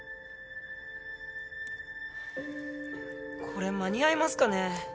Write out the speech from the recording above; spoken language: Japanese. これ間に合いますかね？